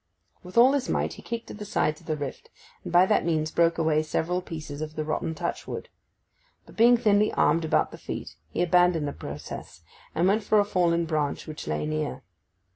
With all his might he kicked at the sides of the rift, and by that means broke away several pieces of the rotten touchwood. But, being thinly armed about the feet, he abandoned that process, and went for a fallen branch which lay near.